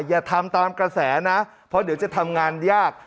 อย่าทำตามกระแสนะเพราะเดี๋ยวจะทำงานยาก